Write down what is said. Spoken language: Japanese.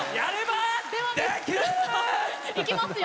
いきますよ？